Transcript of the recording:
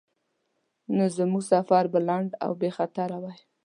نو زموږ سفر به لنډ او بیخطره وای.